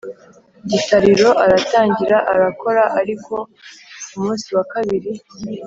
gitariro aratangira arakora ariko ku munsi wa kabiri